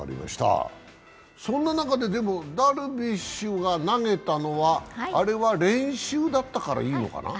そんな中でダルビッシュが投げたのは、あれは練習だったからいいのかな。